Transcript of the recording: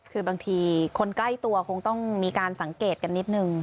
คือบางทีคนใกล้ตัวคงต้องมีการสังเกตกันนิดนึง